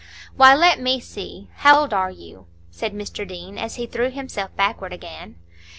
"Why, let me see, how old are you?" said Mr Deane, as he threw himself backward again.